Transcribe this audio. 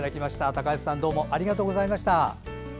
高橋さんどうもありがとうございました。